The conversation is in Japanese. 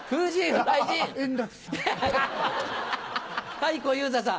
はい小遊三さん。